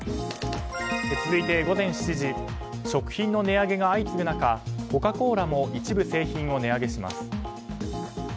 続いて午前７時食品の値上げが相次ぐ中コカ・コーラも一部製品を値上げします。